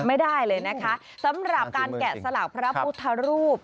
ไม่ได้เลยนะคะสำหรับการแกะสลักพระพุทธรูป